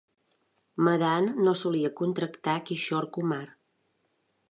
Madan no solia contractar Kishore Kumar.